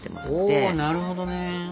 なるほどね。